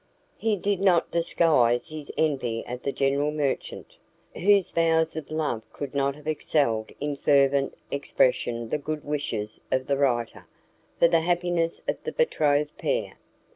He did not disguise his envy of the general merchant, whose vows of love could not have excelled in fervent expression the good wishes of the writer for the happiness of the betrothed pair.